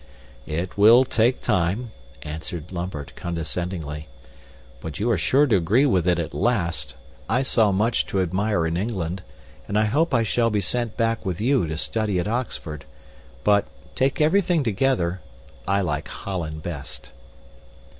"It will take time," answered Lambert condescendingly, "but you are sure to agree with it at last. I saw much to admire in England, and I hope I shall be sent back with you to study at Oxford, but, take everything together, I like Holland best."